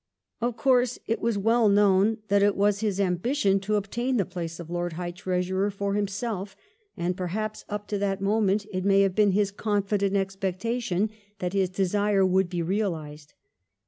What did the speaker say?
Of course it was well known that it was his ambition to obtain the place of Lord High Treasurer for himself, and perhaps, up to that moment, it may have been his confident expectation that his desire would be realised.